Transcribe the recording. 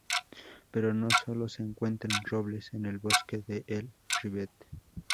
Pero no sólo se encuentran robles en el bosque de El Rivet.